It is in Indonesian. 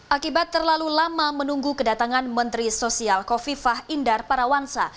akibat terlalu lama menunggu kedatangan menteri sosial kofifah indar parawansa